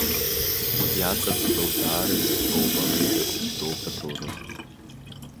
Иаҵаӡхьоу даара ирацәоуп, алеишәақәа цәгьоуп аҭоурых.